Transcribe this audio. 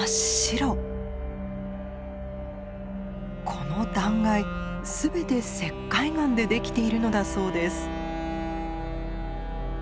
この断崖全て石灰岩でできているのだそうです。